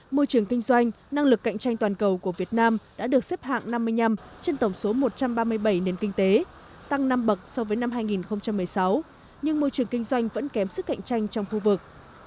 môi trường kinh doanh năng lực cạnh tranh toàn cầu của việt nam đã được xếp hạng năm mươi năm trên tổng số một trăm ba mươi bảy nền kinh tế tăng năm bậc so với năm hai nghìn một mươi sáu nhưng môi trường kinh doanh vẫn kém sức cạnh tranh trong khu vực